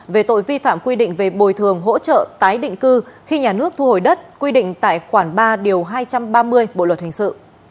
về tội vi phạm quy định về bồi thường hỗ trợ tái định cư khi nhà nước thu hồi đất quy định tại khoản ba điều hai trăm ba mươi bộ luật hình sự